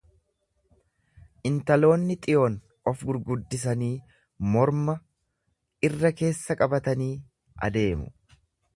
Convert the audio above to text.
Intaloonni Xiyoon of gurguddisanii morma irra-keessa qabatanii adeemu.